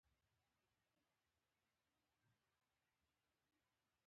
موخه د ادارې د مؤثریت د سطحې لوړول دي.